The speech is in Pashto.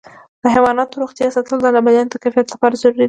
د حیواناتو روغتیا ساتل د لبنیاتو د کیفیت لپاره ضروري دي.